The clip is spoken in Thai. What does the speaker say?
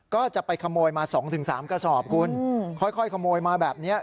ก็จะไปขโมยมาสองถึงสามกระสอบคุณค่อยค่อยขโมยมาแบบเนี้ย